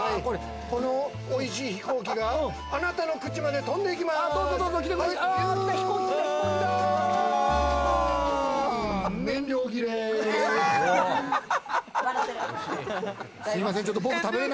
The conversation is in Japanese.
このおいしい飛行機が、あなたの口まで飛んでいきます。